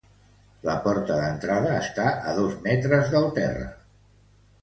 La porta d'entrada està a dos metres del terra.